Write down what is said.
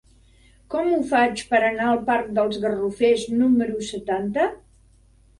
Com ho faig per anar al parc dels Garrofers número setanta?